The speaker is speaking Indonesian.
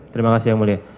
terima kasih yang mulia